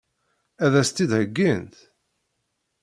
Ad as-tt-id-heggint?